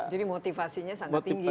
jadi motivasinya sangat tinggi ya